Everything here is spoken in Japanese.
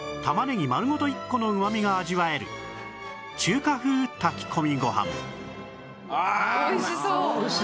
玉ねぎ丸ごと１個のうまみが味わえる中華風炊き込みご飯